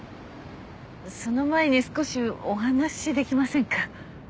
その前に少しお話できませんか？